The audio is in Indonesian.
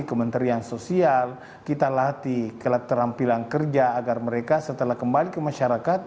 kementerian sosial kita latih keterampilan kerja agar mereka setelah kembali ke masyarakat